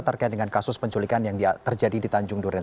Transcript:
terkait dengan kasus penculikan yang terjadi di tanjung duren